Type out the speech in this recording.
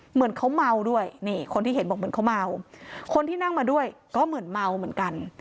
เหมือนเขาเมาด้วยนี่คนที่เห็นบอกเหมือนเขาเมาคนที่นั่งมาด้วยก็เหมือนเมาเหมือนกัน